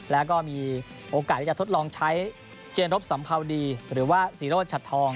แล้วก็มีโอกาสที่จะทดลองใช้เจนรบสัมภาวดีหรือว่าศรีโรธชัดทอง